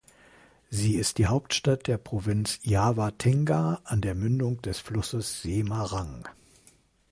Sie ist die Hauptstadt der Provinz Jawa Tengah an der Mündung des Flusses Semarang.